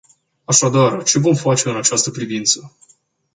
Așadar, ce vom face în această privință?